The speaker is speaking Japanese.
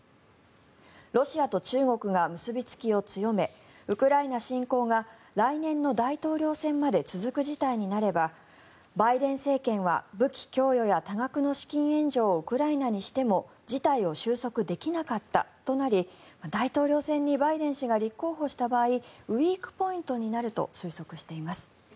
ロシアと中国が結びつきを強めウクライナ侵攻が来年の大統領選まで続く事態になればバイデン政権は武器供与や多額の資金援助をウクライナにしても事態を収束できなかったとなり大統領選にバイデン氏が立候補した場合ウィークポイントになると推測しています。